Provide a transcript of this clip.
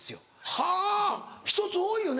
はぁ１つ多いよね。